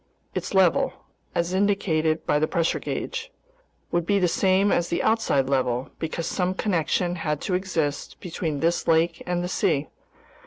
Its level—as indicated by the pressure gauge—would be the same as the outside level, because some connection had to exist between this lake and the sea.